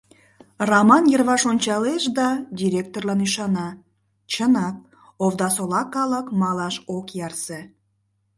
Раман йырваш ончалеш да директорлан ӱшана: чынак, Овдасола калык малаш ок ярсе.